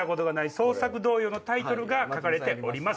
創作童謡のタイトルが書かれてます。